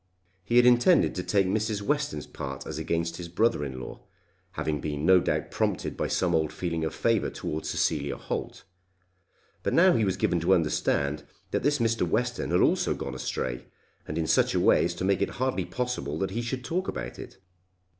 He had intended to take Mrs. Western's part as against his brother in law, having been no doubt prompted by some old feeling of favour towards Cecilia Holt; but now he was given to understand that this Mr. Western had also gone astray, and in such a way as to make it hardly possible that he should talk about it.